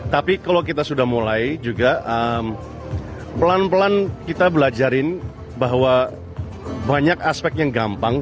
tapi kalau kita sudah mulai juga pelan pelan kita belajarin bahwa banyak aspek yang gampang